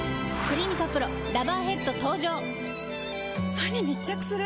歯に密着する！